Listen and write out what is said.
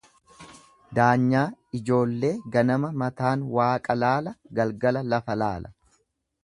Daanyaa ijoollee ganama mataan Waaqa laala, galgala lafa laala.